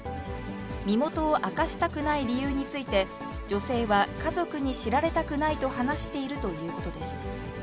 身元を明かしたくない理由について、女性は、家族に知られたくないと話しているということです。